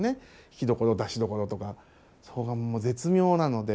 引きどころ出しどころとかそこが絶妙なので。